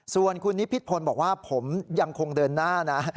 ส่วนคุณนิพิษพลบอกว่าผมยังคงเดินหน้านะ